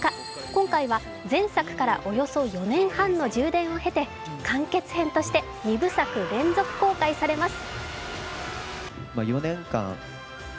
今回は前作からおよそ４年半の充電を経て「完結編」として２部作連続公開されます。